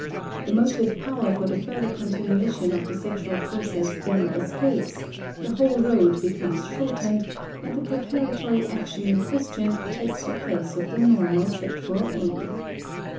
The motive power for the further continuation of the sexual process then escapes, the whole road becomes shortened, and the preparatory action in question takes the place of the normal sexual aim.